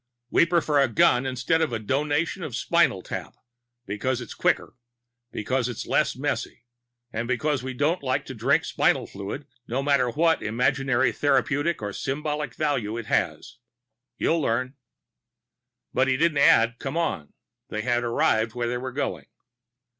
We prefer a gun instead of the Donation of the Spinal Tap, because it's quicker, because it's less messy and because we don't like to drink spinal fluid, no matter what imaginary therapeutic or symbolic value it has. You'll learn." But he didn't add "come on." They had arrived where they were going.